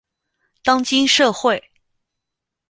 当今社会